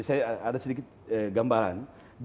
saya ada sedikit gambaran